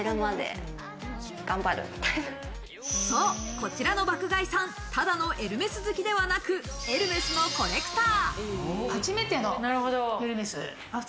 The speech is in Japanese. こちらの爆買いさん、ただのエルメス好きではなくエルメスのコレクター。